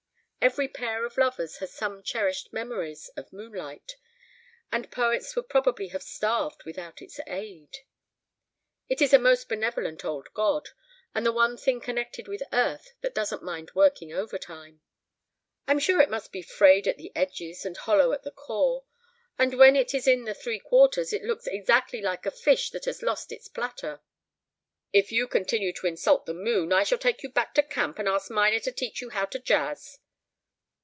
Every pair of lovers has some cherished memories of moonlight, and poets would probably have starved without its aid. It is a most benevolent old god, and the one thing connected with Earth that doesn't mind working overtime." "I'm sure it must be frayed at the edges and hollow at the core. And when it is in the three quarters it looks exactly like a fish that has lost its platter." "If you continue to insult the moon, I shall take you back to camp and ask Minor to teach you how to jazz."